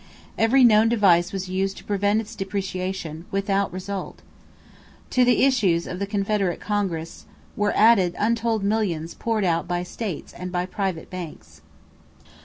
Every known device was used to prevent its depreciation, without result. To the issues of the Confederate Congress were added untold millions poured out by the states and by private banks.